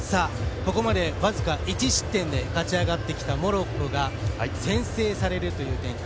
ここまで僅か１失点で勝ち上がってきたモロッコが先制されるという展開。